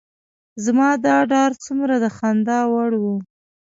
زما دا ډار څومره د خندا وړ و.